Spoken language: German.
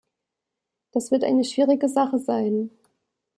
Das wird eine schwierige Sache sein.